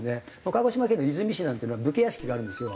鹿児島県の出水市なんていうのは武家屋敷があるんですよ。